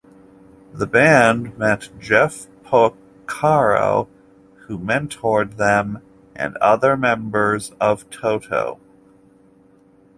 The band met Jeff Porcaro, who mentored them, and other members of Toto.